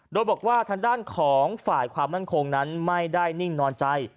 โดยบอกว่าทางด้านของฝ่ายความมั่นคงนั้นไม่ได้นิ่งนอนใจ